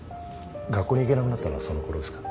学校に行けなくなったのはそのころですか？